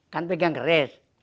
kan pegang keris